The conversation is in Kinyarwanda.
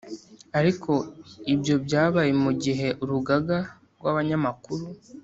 Ariko ibyo byabaye mu gihe urugaga rw’abanyamakuru